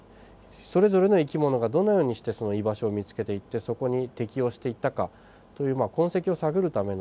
それぞれの生き物がどのようにしてその居場所を見つけていってそこに適応していったかというまあ痕跡を探るためのそういうまあ